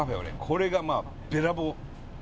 これがまあべらぼう！